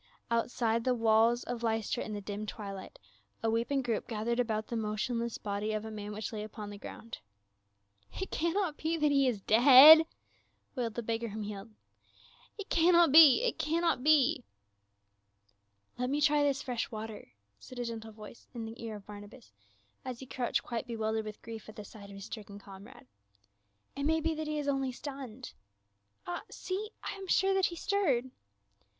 Outside the walls of Lystra in the dim twilight, a weeping group gathered about the motionless body of a man which lay upon the ground. " It cannot be that he is dead !" wailed the beggar whom he had healed. " It cannot — cannot be !"" Let me try this fresh water," said a gentle voice in the car of Barnabas, as he crouched quite bewil dered with grief at the side of his stricken comrade. " It may be that he is only stunned. Ah, see ! I am sure that he stirred